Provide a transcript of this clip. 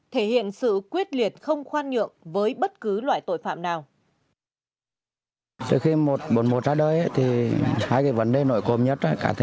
thể hiện sự quyết liệt không khoan nhượng với bất cứ loại tội phạm nào